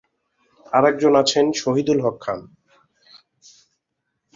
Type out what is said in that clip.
আরেকজন আছেন শহীদুল হক খান।